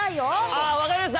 あっ、分かりました。